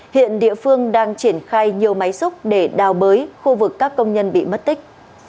hiện địa phương đang triển khai nhiều máy xúc để đào bới khu vực các công nhân bị mất tích